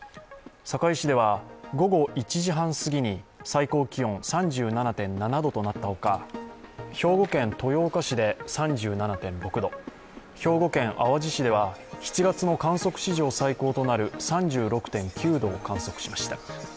堺市では午後１時半すぎに最高気温３７．７度となったほか兵庫県豊岡市で３７．６度、兵庫県淡路市では７月の観測史上最高となる３６．９度を観測しました。